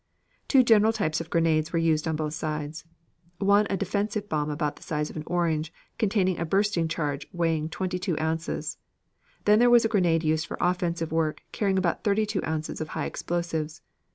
Two general types of grenades were used on both sides. One a defensive bomb about the size of an orange, containing a bursting charge weighing twenty two ounces. Then there was a grenade used for offensive work carrying about thirty two ounces of high explosives.